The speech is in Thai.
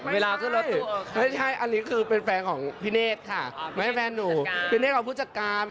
ไม่ใช่อันนี้คือเป็นแฟนของพี่เนศค่ะไม่ใช่แฟนหนูพี่เนศคือผู้จัดการ